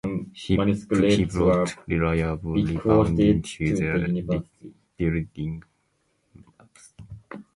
He brought reliable rebounding to the rebuilding Mavs.